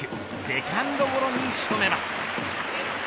セカンドゴロに仕留めます。